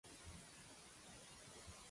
A la pau de Déu!